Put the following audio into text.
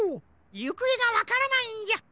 ゆくえがわからないんじゃ。